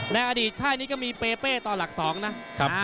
ในอดีตค่ายนี้ก็มีเปเป้ต่อหลัก๒นะ